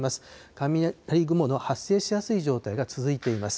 雷雲の発生しやすい状態が続いています。